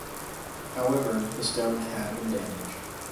However, the stone had been damaged.